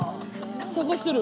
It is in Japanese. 探してる。